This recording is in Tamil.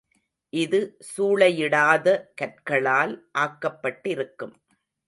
இது சூளையிடாத கற்களால் ஆக்கப்பட்டிருக்கும்.